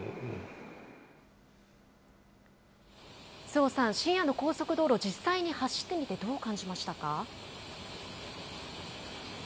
周防さん、深夜の高速道路、実際に走ってみて、どう感じましたか。